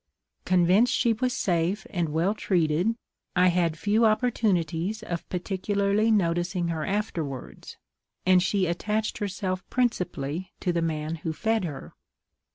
Convinced she was safe and well treated, I had few opportunities of particularly noticing her afterwards, and she attached herself principally to the man who fed her.